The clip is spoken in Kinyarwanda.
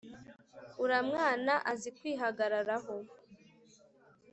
uramwana azi kwihagararaho